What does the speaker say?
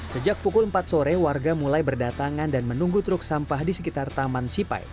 sejak pukul empat sore warga mulai berdatangan dan menunggu truk sampah di sekitar taman sipai